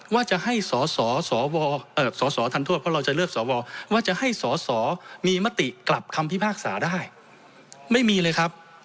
ว่าจะให้สสมีมติกลับคำพิพากษาได้ไม่มีเลยครับ